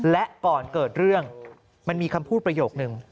และก่อนเกิดเรื่องมันมีคำพูดประโยคนึง